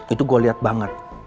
itu gue liat banget